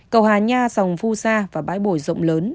cầu hà nha sòng phu xa và bãi bồi rộng lớn